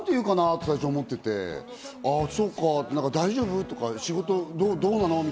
なんて言うかな？って最初思っていて、大丈夫？とか、仕事どうなの？